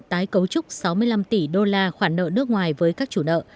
tái cấu trúc sáu mươi năm triệu usd